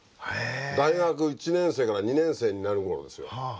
大学１年生から２年生になる頃ですよ。